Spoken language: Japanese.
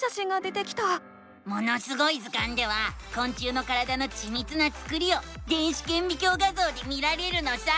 「ものすごい図鑑」ではこん虫の体のちみつなつくりを電子けんびきょう画ぞうで見られるのさ！